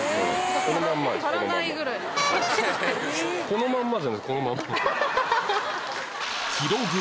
このまんまですこのまんま。